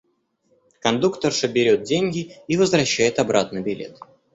Кондукторша берёт деньги и возвращает обратно билет.